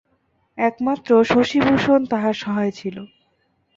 একমাত্র শশিভূষণ তাহার সহায় ছিল।